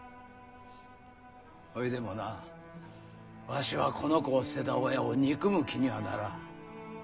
ほいでもなわしはこの子を捨てた親を憎む気にはならん。